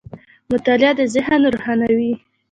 • مطالعه د ذهن روښانوي.